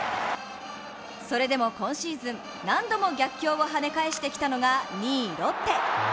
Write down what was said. それでも今シーズン何度も逆境を跳ね返してきたのが２位・ロッテ。